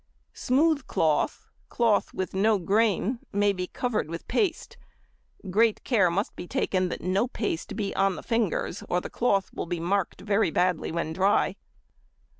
Smooth cloth, cloth with no grain, may be covered with paste: great care must be taken that no paste be on the fingers, or the cloth will be marked very badly when dry.